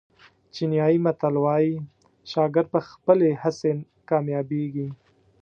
چینایي متل وایي شاګرد په خپلې هڅې کامیابېږي.